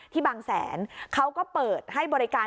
บางแสนเขาก็เปิดให้บริการ